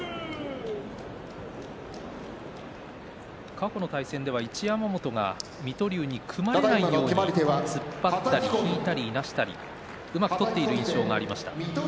過去の対戦では一山本が水戸龍につかまらないように突っ張ったり引いたりいなしたりうまく取っている印象がありました。